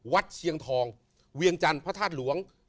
เชียงทองเวียงจันทร์พระธาตุหลวง